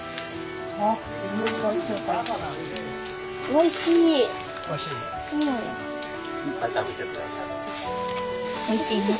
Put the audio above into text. おいしいね。